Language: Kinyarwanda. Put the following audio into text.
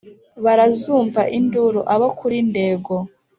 barazumva induru abo kuri ndego